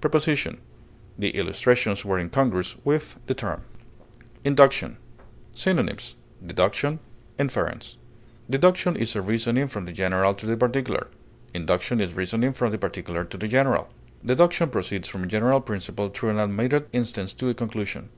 Preposition: The illustrations were incongruous with the theme. INDUCTION. Synonyms: deduction, inference. Deduction is reasoning from the general to the particular; induction is reasoning from the particular to the general. Deduction proceeds from a general principle through an admitted instance to a conclusion.